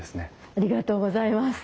ありがとうございます。